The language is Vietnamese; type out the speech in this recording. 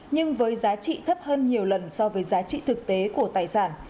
nhưng với giá trị thấp hơn nhiều lần so với giá trị thực tế của tài sản